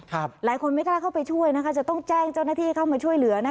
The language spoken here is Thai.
หลายคนไม่กล้าเข้าไปช่วยนะคะจะต้องแจ้งเจ้าหน้าที่เข้ามาช่วยเหลือ